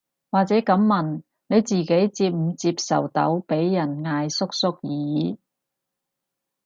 或者噉問，你自己接唔接受到被人嗌叔叔姨姨